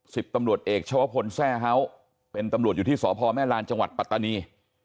สิบตำรวจเอกชวพลแซ่เฮ้าเป็นตำรวจอยู่ที่สพแม่ลานจังหวัดปัตตานี